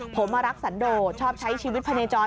ผมมารักสันโดดชอบใช้ชีวิตพเนจร